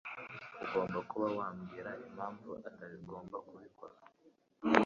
Ugomba kuba wabwira impamvu atagomba kubikora.